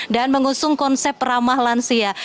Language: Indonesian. dan mengusung konsep ramah lansia